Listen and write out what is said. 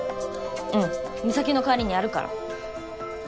うん美咲の代わりにやるから。